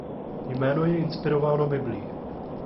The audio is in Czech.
Jméno je inspirováno biblí.